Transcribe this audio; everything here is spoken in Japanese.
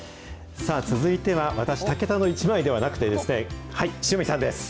さあ続いては、私、タケタのイチマイではなくてですね、塩見さんです。